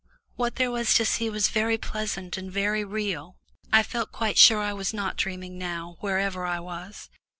What there was to see was very pleasant and very real. I felt quite sure I was not dreaming now, wherever I was.